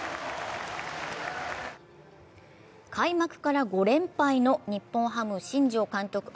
開幕から５連敗の日本ハム・新庄監督